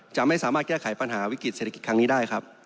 จะไม่สามารถแก้ไขปัญหาวิกฤติเศรษฐกิจครั้งนี้ได้ครับ